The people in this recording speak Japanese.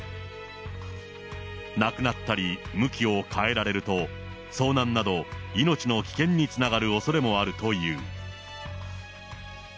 なくなったり、向きを変えられると、遭難など、命の危険につながるおそれもあるという。